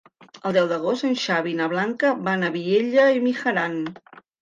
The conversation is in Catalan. El deu d'agost en Xavi i na Blanca van a Vielha e Mijaran.